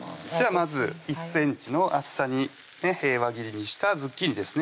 まず１ｃｍの厚さに輪切りにしたズッキーニですね